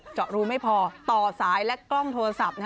เจาะรูไม่พอต่อสายและกล้องโทรศัพท์